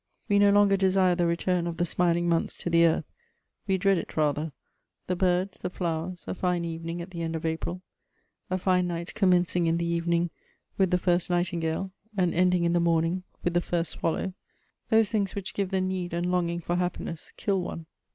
We no longer desire the return of the smiling months to the earth; we dread it rather: the birds, the flowers, a fine evening at the end of April, a fine night commencing in the evening with the first nightingale and ending in the morning with the first swallow, those things which give the need and longing for happiness kill one.